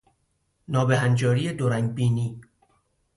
نابهنجاری دورنگ بینی